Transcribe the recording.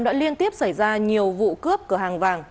đã liên tiếp xảy ra nhiều vụ cướp cửa hàng vàng